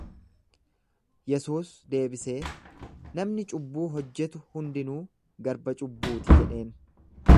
Yesuus deebisee, Namni cubbuu hojjetu hundinuu garba cubbuuti jedheen.